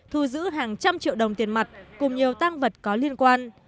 hàng trăm triệu đồng tiền mặt cùng nhiều tăng vật có liên quan